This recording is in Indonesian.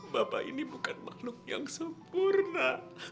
bapak ini bukan makhluk yang sempurna